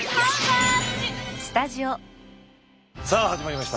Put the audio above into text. さあ始まりました。